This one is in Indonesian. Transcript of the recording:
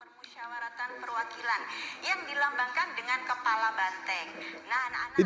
permusyawaratan perwakilan yang dilambangkan dengan kepala banteng